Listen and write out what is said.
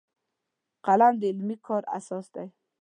قلم د علمي کار اساس دی